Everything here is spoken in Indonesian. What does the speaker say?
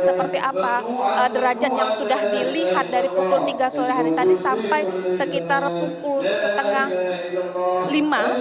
seperti apa derajat yang sudah dilihat dari pukul tiga sore hari tadi sampai sekitar pukul setengah lima